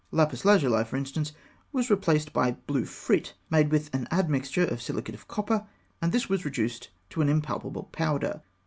Lapis lazuli, for instance, was replaced by blue frit made with an admixture of silicate of copper, and this was reduced to an impalpable powder.